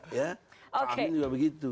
pak amin juga begitu